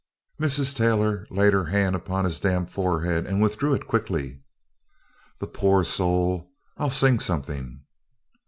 Mrs. Taylor laid her hand upon his damp forehead and withdrew it quickly. "The po oo or soul! I'll sing something."